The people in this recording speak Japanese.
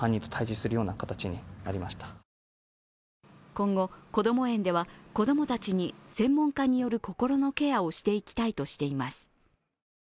今後こども園では、子供たちに専門家による心のケアをしていきたいとしています。